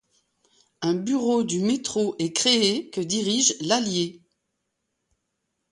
Un bureau du métro est créé que dirige L’Allier.